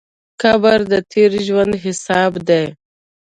قبر د تېر ژوند حساب دی.